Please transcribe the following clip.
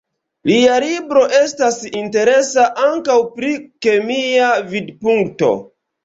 Lia libro estas interesa ankaŭ pri kemia vidpunkto.